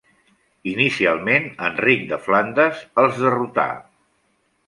Inicialment Enric de Flandes els derrotà.